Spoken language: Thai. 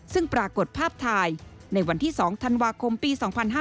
ซึ่งปรากฏภาพถ่ายในวันที่๒ธันวาคมปี๒๕๕๙